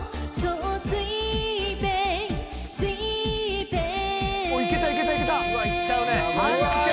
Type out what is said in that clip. うわいっちゃうね。